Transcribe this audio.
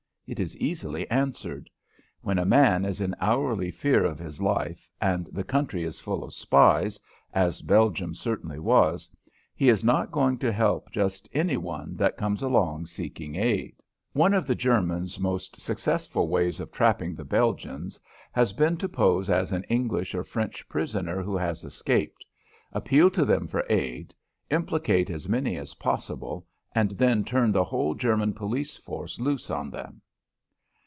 It is easily answered. When a man is in hourly fear of his life and the country is full of spies, as Belgium certainly was, he is not going to help just any one that comes along seeking aid. One of the Germans' most successful ways of trapping the Belgians has been to pose as an English or French prisoner who has escaped; appeal to them for aid; implicate as many as possible, and then turn the whole German police force loose on them.